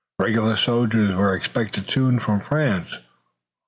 Regular soldiers were expected soon from France.